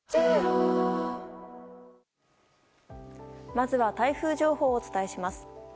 まずは台風情報をお伝えします。